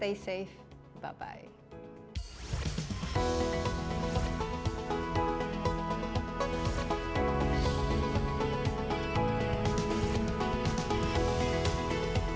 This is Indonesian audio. ya sekali lagi